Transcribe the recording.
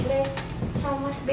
adriana terang banget deh